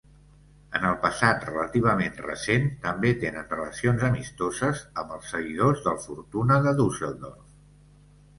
En el passat relativament recent, també tenen relacions amistoses amb els seguidors del Fortuna de Düsseldorf.